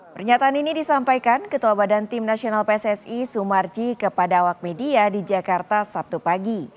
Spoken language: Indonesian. pernyataan ini disampaikan ketua badan tim nasional pssi sumarji kepada awak media di jakarta sabtu pagi